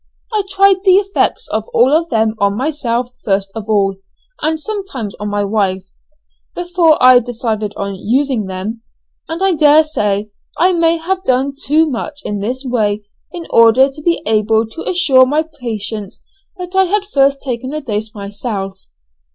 I tried the effects of all of them on myself first of all, and sometimes on my wife, before I decided on using them, and I daresay I may have done too much in this way in order to be able to assure my patients that I had first taken a dose myself.